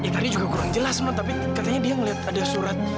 tadi juga kurang jelas tapi katanya dia melihat ada surat